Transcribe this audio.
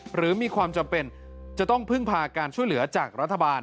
หรือมีความจำเป็นจะต้องพึ่งพาการช่วยเหลือจากรัฐบาล